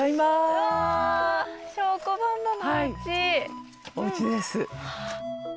はいおうちです。